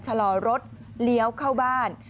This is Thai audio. ชะลอรถเลี้ยวเข้าบ้าน